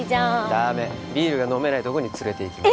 ダメビールが飲めないとこに連れて行きます